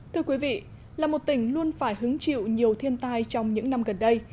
thưa quý vị là một tỉnh luôn phải hứng chịu nhiều thiên tai trong những năm gần đây